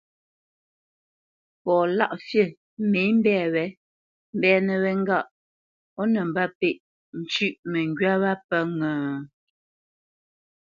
Fɔ Lâʼfî mê mbɛ̂ wě mbɛ́nə̄ wé ŋgâʼ ó nə mbə́pêʼ ncʉ́ʼ məŋgywá wá pə́ ŋə́ ?